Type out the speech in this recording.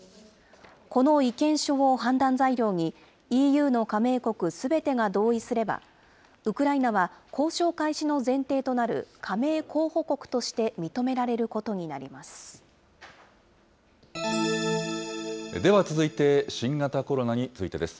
この意見書を判断材料に、ＥＵの加盟国すべてが同意すれば、ウクライナは交渉開始の前提となる加盟候補国として認められることにでは続いて、新型コロナについてです。